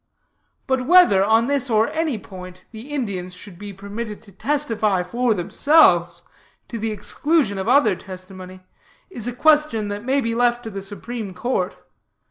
But whether, on this or any point, the Indians should be permitted to testify for themselves, to the exclusion of other testimony, is a question that may be left to the Supreme Court.